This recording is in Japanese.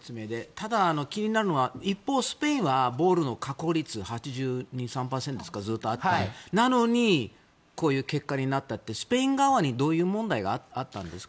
ただ、気になるのは一方スペインはボールの確保率８２８３％ずっとあったのにこういう結果になったってどういう問題があったんですか？